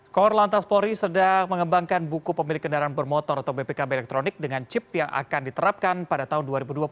kor lantas polri sedang mengembangkan buku pemilik kendaraan bermotor atau bpkb elektronik dengan chip yang akan diterapkan pada tahun dua ribu dua puluh